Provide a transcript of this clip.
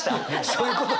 そういうこと。